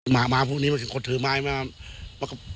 หมามาพวกนี้มันคือคนถือไม้มา